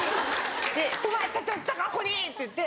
「お前たちおったかここに！」って言って。